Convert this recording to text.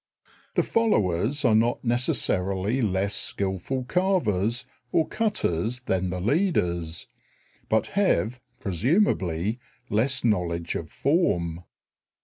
The followers are not necessarily less skilful carvers or cutters than the leaders, but have, presumably, less knowledge of form.